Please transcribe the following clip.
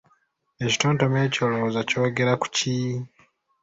Ekitontome ekyo olowooza kyogera ku ki?